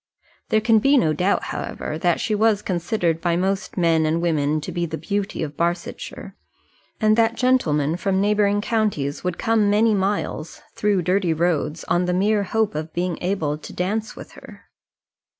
There can be no doubt, however, that she was considered by most men and women to be the beauty of Barsetshire, and that gentlemen from neighbouring counties would come many miles through dirty roads on the mere hope of being able to dance with her.